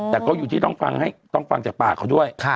แต่ก็อยู่ที่ต้องฟังจากปากเขาด้วย